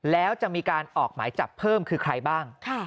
แล้วจะมีการออกหมายจับเพิ่มคือใครบ้าง